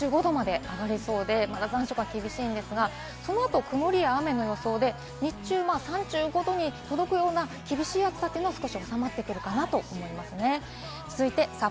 あすは名古屋、大阪３５度まで上がりそうで、残暑が厳しいんですが、そのあと曇りや雨の予想で、日中３５度に届くような厳しい暑さというのは、少し治まってくるかなと思います。